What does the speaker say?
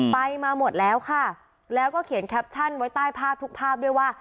ไปมาหมดแล้วค่ะแล้วก็เขียนแคปชั่นไว้ใต้ภาพทุกภาพด้วยว่า